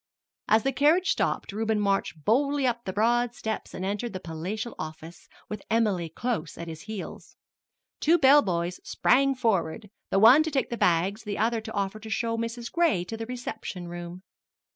As the carriage stopped, Reuben marched boldly up the broad steps and entered the palatial office, with Emily close at his heels. Two bell boys sprang forward the one to take the bags, the other to offer to show Mrs. Gray to the reception room.